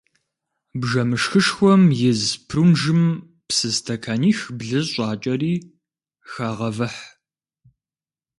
Бжэмышхышхуэм из прунжым псы стэканих-блы щӏакӏэри, хагъэвыхь.